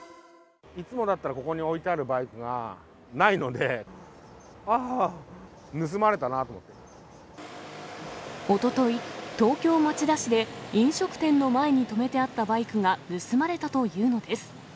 いつもだったらここに置いてあるバイクがないので、あー、おととい、東京・町田市で、飲食店の前に止めてあったバイクが盗まれたというのです。